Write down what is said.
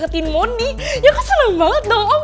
deketin mondi ya aku seneng banget dong om